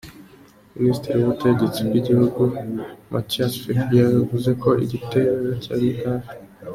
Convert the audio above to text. Ministri w'ubutegetsi bw'igihugu, Matthias Fekl yavuze ko igitero cyari hafi.